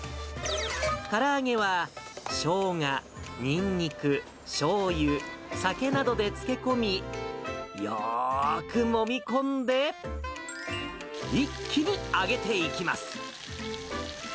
から揚げはしょうが、にんにく、しょうゆ、酒などで漬け込み、よーくもみ込んで、一気に揚げていきます。